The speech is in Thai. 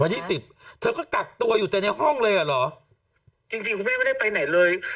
ที่สิบเธอก็กักตัวอยู่แต่ในห้องเลยอ่ะเหรอจริงจริงคุณแม่ไม่ได้ไปไหนเลย